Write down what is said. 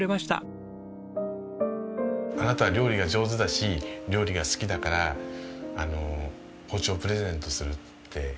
「あなたは料理が上手だし料理が好きだから包丁プレゼントする」って言われて。